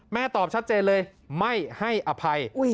ตอบชัดเจนเลยไม่ให้อภัย